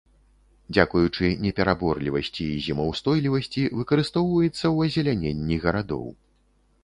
Дзякуючы непераборлівасці і зімаўстойлівасці выкарыстоўваецца ў азеляненні гарадоў.